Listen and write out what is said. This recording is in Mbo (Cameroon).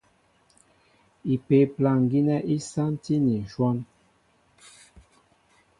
Ipě' plâŋ gínɛ́ í sántí ni ǹshɔ́n.